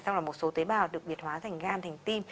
sau đó một số tế bào được biệt hóa thành gan thành tim